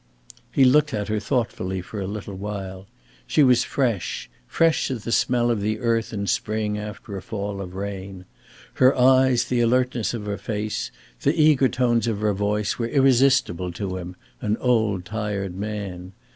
He looked at her thoughtfully for a little while. She was fresh fresh as the smell of the earth in spring after a fall of rain. Her eyes, the alertness of her face, the eager tones of her voice, were irresistible to him, an old tired man.